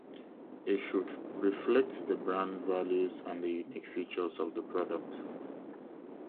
It should also reflect the brand values and the unique features of the product.